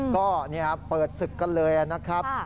ก็เปิดศึกกันเลยนะครับ